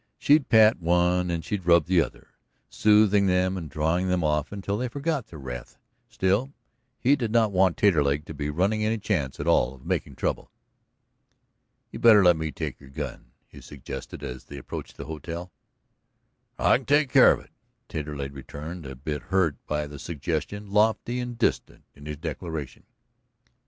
She'd pat one and she'd rub the other, soothing them and drawing them off until they forgot their wrath. Still, he did not want Taterleg to be running any chance at all of making trouble. "You'd better let me take your gun," he suggested as they approached the hotel. "I can take care of it," Taterleg returned, a bit hurt by the suggestion, lofty and distant in his declaration.